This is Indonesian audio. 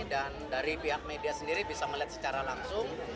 dan dari pihak media sendiri bisa melihat secara langsung